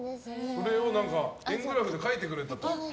それを円グラフで書いてくれた。